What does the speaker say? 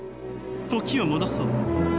時を戻そう。